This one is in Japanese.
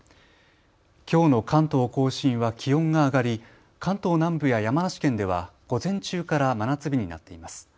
きょうの関東甲信は気温が上がり関東南部や山梨県では午前中から真夏日になっています。